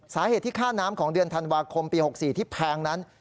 สาเหตุที่ค่าน้ำของเดือนธันวาคมปี๖๔ที่แพงนั้น